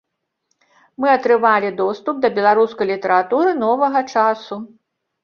Мы атрымалі доступ да беларускай літаратуры новага часу.